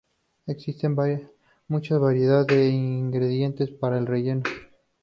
Existe mucha variedad de ingredientes para el relleno.